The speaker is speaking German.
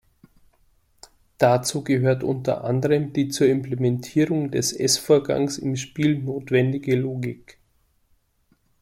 Dazu gehört unter anderem die zur Implementierung des Ess-Vorgangs im Spiel notwendige Logik.